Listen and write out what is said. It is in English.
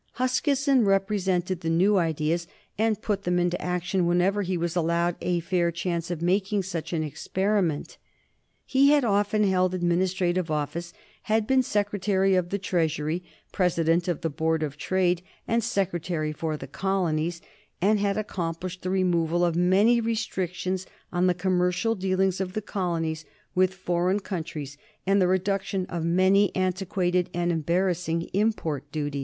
Huskisson represented the new ideas, and put them into action whenever he was allowed a fair chance of making such an experiment. He had often held administrative office, had been Secretary of the Treasury, President of the Board of Trade, and Secretary for the Colonies, and had accomplished the removal of many restrictions on the commercial dealings of the colonies with foreign countries and the reduction of many antiquated and embarrassing import duties.